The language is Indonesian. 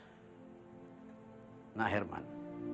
jalur mungkin persis